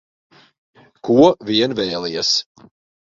Ko vien vēlies.